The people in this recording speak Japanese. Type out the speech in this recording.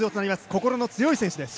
心の強い選手です。